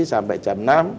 sampai jam enam